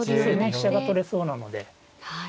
飛車が取れそうなので。